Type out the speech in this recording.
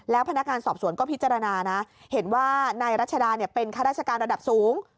พนักงานสอบสวนก็พิจารณานะเห็นว่านายรัชดาเป็นข้าราชการระดับสูง